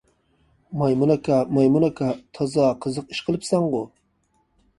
مايمۇن ئاكا، مايمۇن ئاكا، تازا قىزىق ئىش قىلىپسەنغۇ!